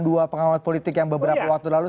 dua pengawat politik yang beberapa waktu lalu